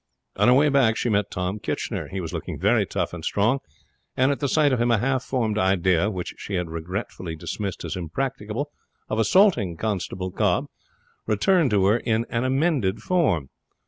On her way back she met Tom Kitchener. He was looking very tough and strong, and at the sight of him a half formed idea, which she had regretfully dismissed as impracticable, of assaulting Constable Cobb, returned to her in an amended form.